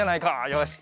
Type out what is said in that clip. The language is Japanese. よし。